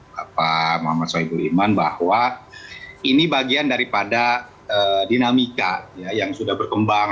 bapak muhammad soebul iman bahwa ini bagian daripada dinamika yang sudah berkembang